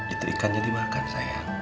itu ikannya dimakan sayang